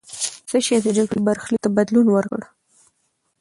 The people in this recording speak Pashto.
څه شی د جګړې برخلیک ته بدلون ورکړ؟